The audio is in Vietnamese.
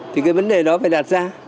thì cái vấn đề đó phải đạt ra